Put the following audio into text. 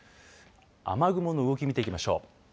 雨雲の動き、見ていきましょう。